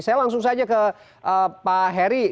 saya langsung saja ke pak heri